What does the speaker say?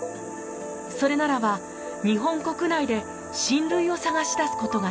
それならば日本国内で親類を探し出すことができないか。